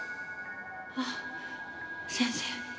ああ先生。